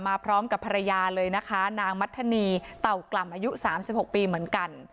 พร้อมกับภรรยาเลยนะคะนางมัธนีเต่ากล่ำอายุ๓๖ปีเหมือนกัน